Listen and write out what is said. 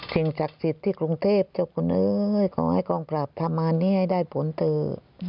ทิ้งจักษิตที่กรุงเทพเจ้าคุณเอ๊ยก็ให้กองปราบทำอันนี้ให้ได้ผลเตอร์